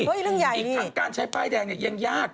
เรื่องใหญ่นี่อีกทางการใช้ป้ายแดงยังยาก